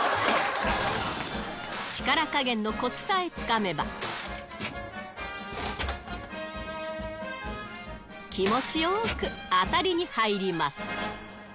力加減のこつさえつかめば、気持ちよーく、当たりに入ります。